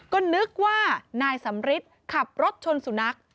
ก็นึกว่านายสำริทขับรถชนสุนัข